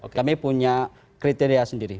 kami punya kriteria sendiri